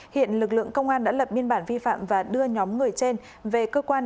hiện lực lượng công an đã lập biên bản vi phạm và đưa nhóm người trên về cơ quan